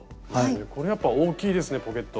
これやっぱ大きいですねポケット。